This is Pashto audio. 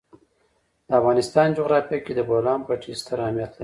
د افغانستان جغرافیه کې د بولان پټي ستر اهمیت لري.